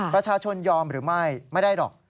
ประชาชนยอมหรือไม่ไม่ได้หรอก